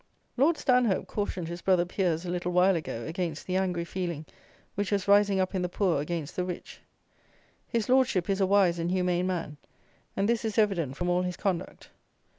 Lord Stanhope cautioned his brother peers a little while ago against the angry feeling which was rising up in the poor against the rich. His Lordship is a wise and humane man, and this is evident from all his conduct.